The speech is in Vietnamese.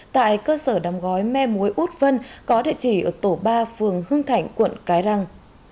tại cơ sở đám gói me muối út vân có địa chỉ ở tổ ba phường hương thảnh quận cái răng